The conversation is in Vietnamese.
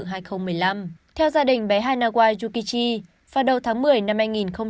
theo gia đình bé hanawa yukichi vào đầu tháng một mươi năm hai nghìn hai mươi ba